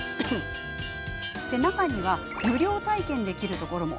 中には無料体験できるところも。